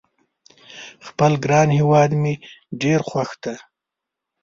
خپل ګران هیواد مې ډېر خوښ ده